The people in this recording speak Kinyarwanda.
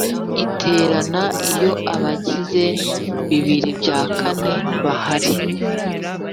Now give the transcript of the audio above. Iterana iyo abagize bibiri bya kane bahari